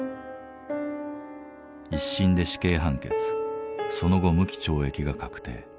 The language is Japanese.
１審で死刑判決その後無期懲役が確定。